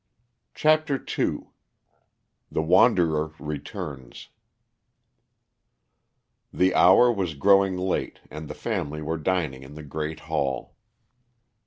CHAPTER II THE WANDERER RETURNS The hour was growing late, and the family were dining in the great hall.